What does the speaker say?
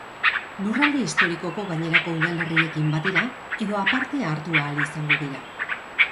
Lurralde historikoko gainerako udalerriekin batera edo aparte hartu ahal izango dira.